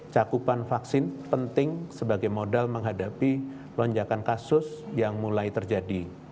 cakupan vaksin penting sebagai modal menghadapi lonjakan kasus yang mulai terjadi